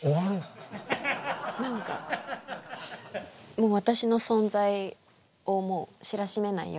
もう私の存在をもう知らしめないように。